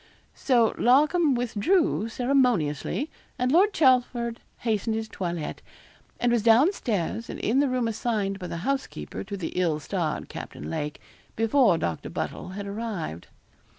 So Larcom withdrew ceremoniously, and Lord Chelford hastened his toilet, and was down stairs, and in the room assigned by the housekeeper to the ill starred Captain Lake, before Doctor Buddle had arrived.